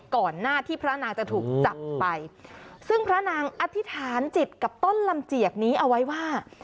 ก่อนหน้าที่พระนางจะถูกจับไปซึ่งพระนางอธิษฐานจิตกับต้นลำเจียกนี้เอาไว้ว่า